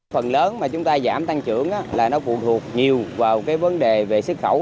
phần lớn mà chúng ta giảm tăng trưởng là nó phụ thuộc nhiều vào cái vấn đề về xuất khẩu